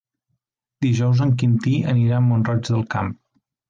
Dijous en Quintí anirà a Mont-roig del Camp.